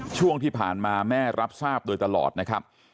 ช่วงที่ผ่านมาแม่รับทราบโดยตลอดนะครับ